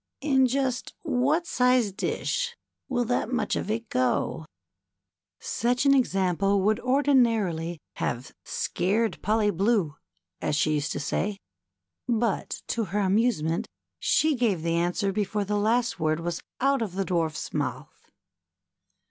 In just what sized dish will that much of it go ?" i68 THE CHILDREN'S WONDER BOOK. Such an example would ordinarily have " scared Polly blue," as she used to say, but to her amusement she gave the answer before the last word was out of the Dwarf's mouth.